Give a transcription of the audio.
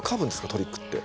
トリックって。